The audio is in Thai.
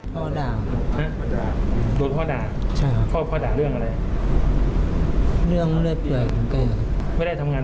พ่อด่าเหรอคะหื้อโดนพ่อด่า